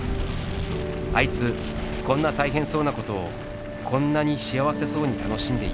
「あいつこんな大変そうなことをこんなに幸せそうに楽しんでいやがる」。